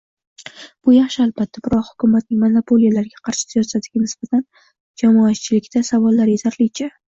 Bu yaxshi albatta, biroq hukumatning monopoliyalarga qarshi siyosatiga nisbatan jamoatchilikda savollar yetarlicha.